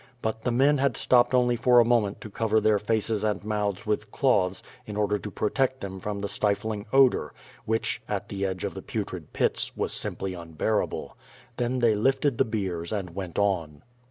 But the men had stopped only for a moment to cover their faces and mouths with cloths in order to protect them from the stifling odor, which, at the edge of the Putrid Pits, was simply unbearable. Then they lifted the biers and went on.